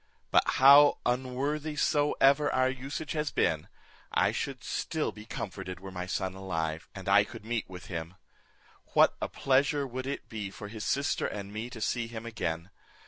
But how unworthy soever our usage has been, I should be still comforted were my son alive, and I could meet with him. What a pleasure would it be for his sister and me to see him again!